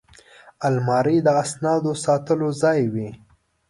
الماري د اسنادو ساتلو ځای وي